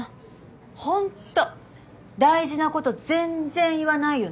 ほんと大事なこと全然言わないよね。